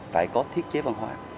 phải có thiết chế văn hóa